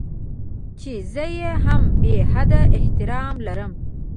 چې زه يې هم بې حده احترام لرم.